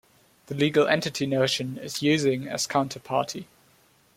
The legal entity notion is using as counterparty.